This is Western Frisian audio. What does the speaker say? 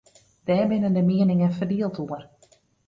Dêr binne de mieningen ferdield oer.